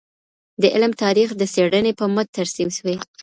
د علم تاریخ د څېړنې په مټ ترسیم سوی.